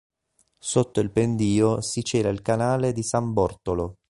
Sotto il pendio si cela il canale di San Bortolo.